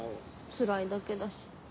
つらいだけだし。